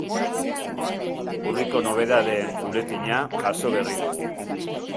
Urriko nobedadeen buletina jaso berri dugu.